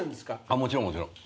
もちろんもちろん。